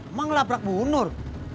emang laprak bu nur